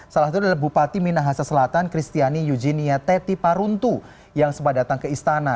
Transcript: salah satu adalah bupati minahasa selatan kristiani eugenia teti paruntu yang sempat datang ke istana